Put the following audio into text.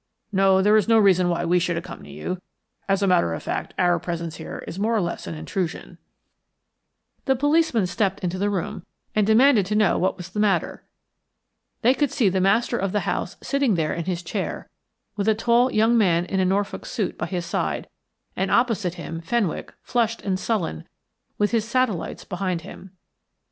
No, there is no reason why we should accompany you. As a matter of fact our presence here is more or less an intrusion." The policemen stepped into the room and demanded to know what was the matter. They could see the master of the house sitting there in his chair, with a tall young man in a Norfolk suit by his side, and opposite him Fenwick, flushed and sullen, with his satellites behind him.